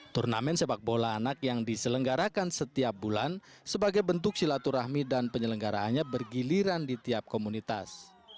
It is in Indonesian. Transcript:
turnamen sepak bola anak yang diselenggarakan setiap bulan sebagai bentuk silaturahmi dan penyelenggaraannya bergiliran di tiap komunitas